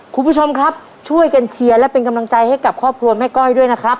คุณผู้ชมครับช่วยกันเชียร์และเป็นกำลังใจให้กับครอบครัวแม่ก้อยด้วยนะครับ